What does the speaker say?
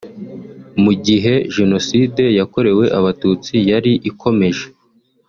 mu gihe Jenoside yakorewe Abatutsi yari ikomeje